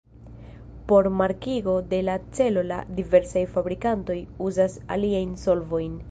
Por markigo de la celo la diversaj fabrikantoj uzas aliajn solvojn.